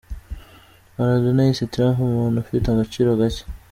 Maradona yise Trump umuntu ufite agaciro gake.